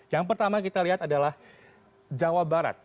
yang pertama kita lihat adalah jawa barat